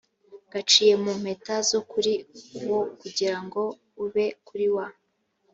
gaciye mu mpeta zo kuri wo kugira ngo ube kuri wa